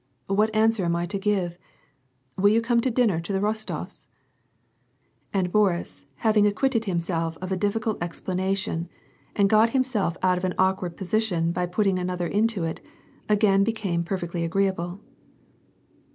What answer am I to give ? Will you come to dinner to the Rostofs ?" And Boris, having acquitted himself of a difficult explana tion, and got himself out of an awkward position by putting another into it, again became perfectly agreeable.